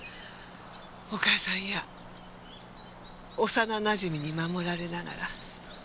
お母さんや幼なじみに守られながら。